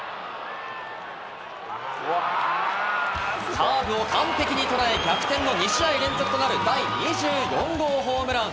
カーブを完璧に捉え、逆転の２試合連続の第２４号ホームラン。